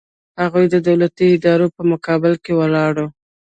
هغه د دولتي ادارو په مقابل کې ولاړ و.